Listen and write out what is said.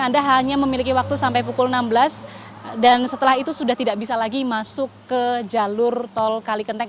anda hanya memiliki waktu sampai pukul enam belas dan setelah itu sudah tidak bisa lagi masuk ke jalur tol kalikenteng